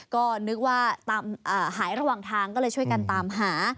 ก็นึกว่าตามหายระหว่างทางก็เลยช่วยกันตามหา